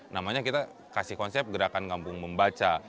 namanya kita kasih konsep gerakan kampung membaca